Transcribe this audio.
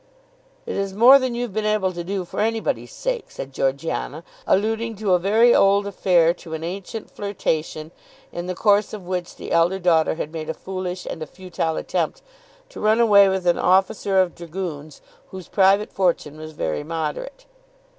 "It is more than you've been able to do for anybody's sake," said Georgiana, alluding to a very old affair, to an ancient flirtation, in the course of which the elder daughter had made a foolish and a futile attempt to run away with an officer of dragoons whose private fortune was very moderate.